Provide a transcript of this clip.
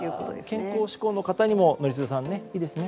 健康志向の方にも宜嗣さん、いいですね。